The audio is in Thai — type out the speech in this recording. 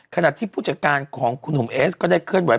ขณะที่ผู้จัดการของคุณหนุ่มเอสก็ได้เคลื่อนไ